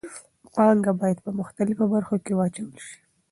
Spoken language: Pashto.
پانګه باید په مختلفو برخو کې واچول شي.